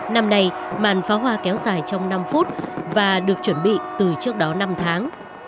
năm nay màn pháo hoa kéo dài trong năm phút và được chuẩn bị từ trước đó năm tháng